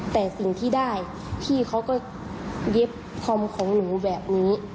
แต่สิ่งที่ได้พี่เขาก็เย็บคอมของหนูแบบนี้